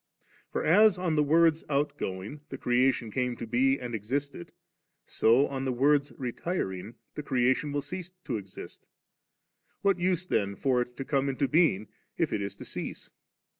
For, as on the Word's outgoing, the creation came to be, and existed, so on the Word's retiring, the creation will not exist What use then for it to come into being, if it is to cease